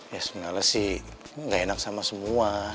ya sebenarnya sih nggak enak sama semua